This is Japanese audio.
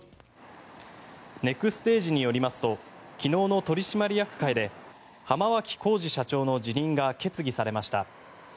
ネクステージによりますと昨日の取締役会で浜脇浩次社長の辞任が決議されました。